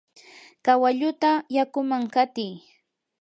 kawalluta yakuman qatiy.